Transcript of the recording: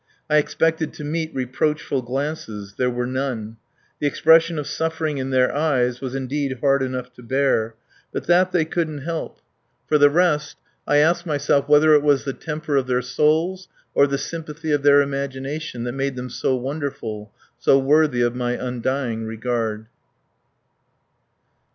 I expected to meet reproachful glances. There were none. The expression of suffering in their eyes was indeed hard enough to bear. But that they couldn't help. For the rest, I ask myself whether it was the temper of their souls or the sympathy of their imagination that made them so wonderful, so worthy of my undying regard.